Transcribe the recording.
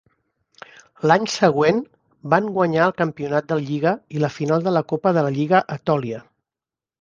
L'any següent van guanyar el Campionat de Lliga i la Final de la Copa de la Lliga Etòlia.